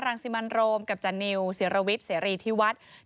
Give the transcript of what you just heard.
รังสิบันโรมกับจันนิวเสียรวิชเสียรีทิวัฒน์